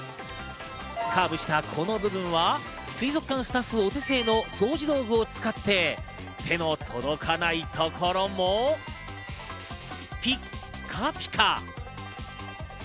カーブしたこの部分は水族館スタッフお手製の掃除道具を使って、手の届かないところもピッカピカ！